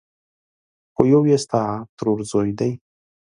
خو يو يې ستا ترورزی دی!